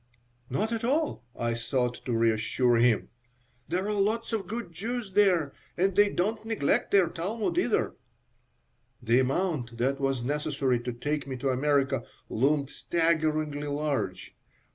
"Not at all," I sought to reassure him. "There are lots of good Jews there, and they don't neglect their Talmud, either." The amount that was necessary to take me to America loomed staggeringly large.